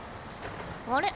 あれ？